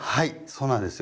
そうなんですよ。